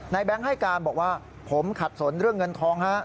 แบงค์ให้การบอกว่าผมขัดสนเรื่องเงินทองฮะ